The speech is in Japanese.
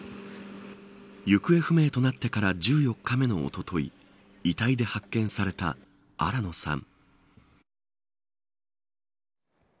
行方不明となってから１４日目のおととい遺体で発見された新野さん。